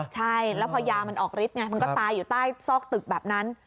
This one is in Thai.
ใช่แล้วพอยามันออกฤทธิไงมันก็ตายอยู่ใต้ซอกตึกแบบนั้น